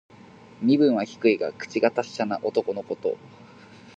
身分は低いが、口が達者な男のこと。